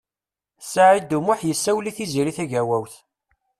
Saɛid U Muḥ yessawel i Tiziri Tagawawt.